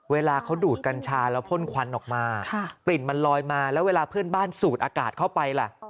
เวลาเขาดูดกัญชาแล้วพ่นควันออกมากลิ่นมันลอยมาแล้วเวลาเพื่อนบ้านสูดอากาศเข้าไปล่ะ